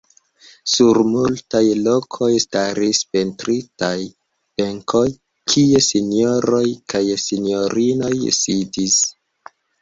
Sur multaj lokoj staris pentritaj benkoj, kie sinjoroj kaj sinjorinoj sidis.